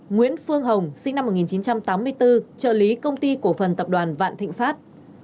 nguyễn phương hồng sinh năm một nghìn chín trăm tám mươi bốn trợ lý công ty cổ phần tập đoàn vạn thịnh pháp